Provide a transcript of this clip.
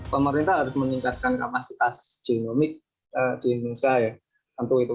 pemerintah harus meningkatkan kapasitas genomik di indonesia ya